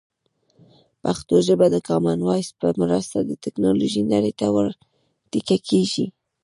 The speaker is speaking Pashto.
پښتو ژبه د کامن وایس په مرسته د ټکنالوژۍ نړۍ ته ور ټيکه کېږي.